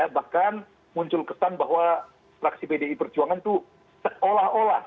bahkan muncul kesan bahwa fraksi pdi perjuangan itu seolah olah